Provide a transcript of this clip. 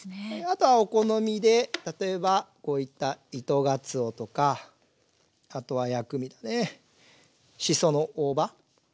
あとはお好みで例えばこういった糸がつおとかあとは薬味のねしその大葉。